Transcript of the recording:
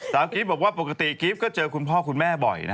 สาววรยาบีบบอกว่าปกติกรีฟก็เจอคุณพ่อคุณแม่บ่อย